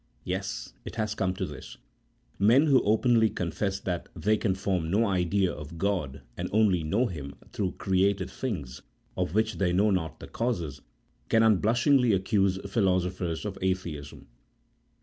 Yes ; it has come to this ! Men who openly confess that they can f orm no idea of God, and only know Him through created things, of which they know not the causes, can unblushingly accuse philosophers of Atheism.